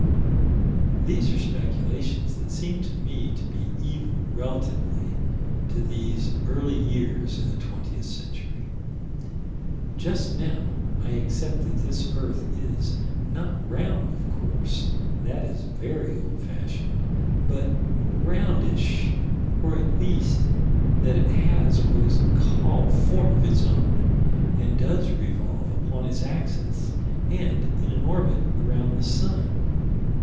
These are speculations that seem to me to be evil relatively to these early years in the twentieth century Just now, I accept that this earth is not round, of course: that is very old fashioned but roundish, or, at least, that it has what is called form of its own, and does revolve upon its axis, and in an orbit around the sun.